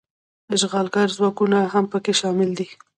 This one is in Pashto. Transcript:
اشغالګر ځواکونه هم پکې شامل دي.